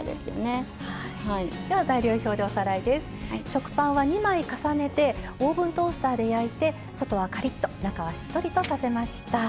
食パンは２枚重ねてオーブントースターで焼いて外はカリッと中はしっとりとさせました。